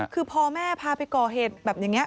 คือพอแม่พาไปก่อเหตุแบบอย่างนี้